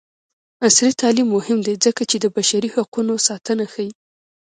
عصري تعلیم مهم دی ځکه چې د بشري حقونو ساتنه ښيي.